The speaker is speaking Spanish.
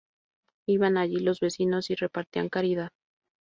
Iban allí los vecinos y repartían caridad.